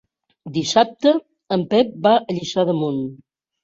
Dissabte en Pep va a Lliçà d'Amunt.